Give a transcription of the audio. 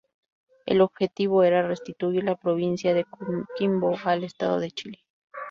El objetivo era restituir la Provincia de Coquimbo al Estado de Chile.